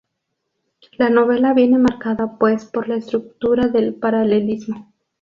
La novela viene marcada pues por la estructura del paralelismo.